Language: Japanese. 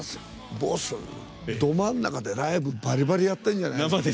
ボス、ど真ん中でライブ、バリバリやってるじゃないですか」と。